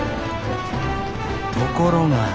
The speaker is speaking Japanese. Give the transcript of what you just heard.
ところが。